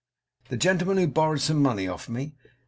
The gentleman who borrowed some money of me?